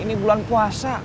ini bulan puasa